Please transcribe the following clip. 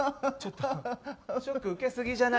ショック受けすぎじゃない？